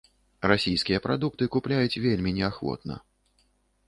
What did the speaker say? Расійскія прадукты купляюць вельмі неахвотна.